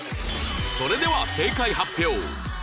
それでは正解発表